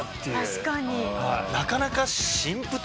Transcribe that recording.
確かに。